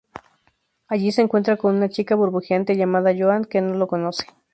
Allí, se encuentra con una chica burbujeante, llamada Joan, que no lo conoce.